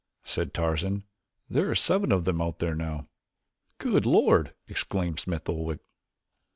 said Tarzan. "There are seven of them out there now." "Good Lord! exclaimed Smith Oldwick.